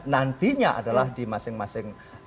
nantinya adalah di masing masing